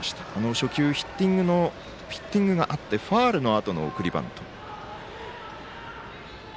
初球ヒッティングがあってファウルのあとの送りバント。